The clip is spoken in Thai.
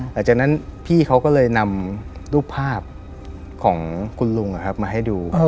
หลังจากนั้นพี่เขาก็เลยนำรูปภาพของคุณลุงมาให้ดู